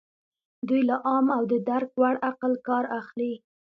دوی له عام او د درک وړ عقل کار اخلي.